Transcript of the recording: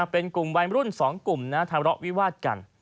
เป็นกลุ่มวัยรุ่น๒กลุ่มทะเลาะวิวาดกัน